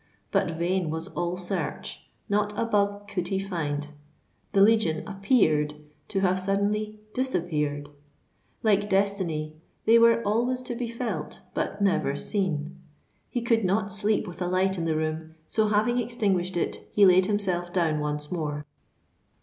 But vain was all search: not a bug could he find. The legion appeared to have suddenly disappeared. Like Destiny, they were always to be felt, but never seen. He could not sleep with a light in the room; so, having extinguished it, he laid himself down once more.